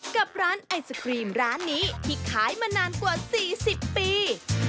กับร้านไอศครีมร้านนี้ที่ขายมานานกว่า๔๐ปี